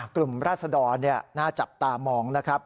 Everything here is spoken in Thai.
กลุ่มราษดรน่าจับตามองนะครับ